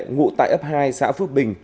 ngụ tại ấp hai xã phước bình